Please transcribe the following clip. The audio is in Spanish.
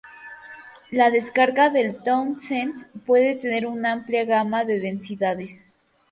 La descarga de Townsend puede tener una amplia gama de densidades.